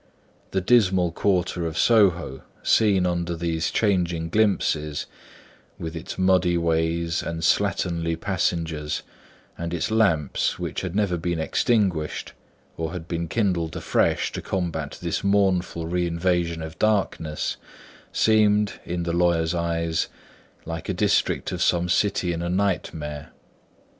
The dismal quarter of Soho seen under these changing glimpses, with its muddy ways, and slatternly passengers, and its lamps, which had never been extinguished or had been kindled afresh to combat this mournful reinvasion of darkness, seemed, in the lawyer's eyes, like a district of some city in a nightmare.